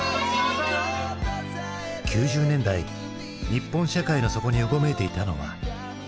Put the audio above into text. ９０年代日本社会の底にうごめいていたのは。